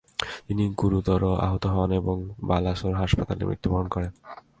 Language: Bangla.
তিনি গুরুতর আহত হন এবং বালাসোর হাসপাতালে মৃত্যুবরণ করেন।